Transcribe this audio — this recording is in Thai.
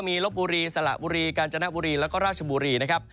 มีลบบุรีสละบุรีกาญจนบุรีแล้วก็ราชบุรีนะครับ